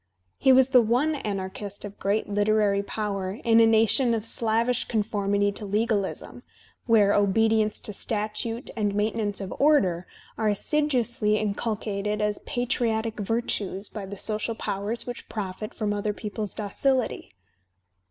He was the one anarchist of great literary power ' in a nation of slavish conformity to legalism, where obedience \ to statute and maintenance of "order" are assiduously incul \ cated as patriotic virtues by the social powers which profit from other peoples' docility.